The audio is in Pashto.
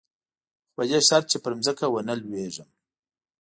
خو په دې شرط چې پر ځمکه ونه لېږم.